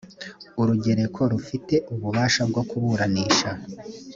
urugereko rufite ububasha bwo kuburanisha